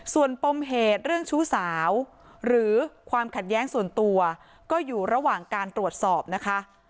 ส่วนปมเหตุเรื่องชู้สาวหรือความขัดแย้งส่วนตัวก็อยู่ระหว่างการตรวจสอบนะคะ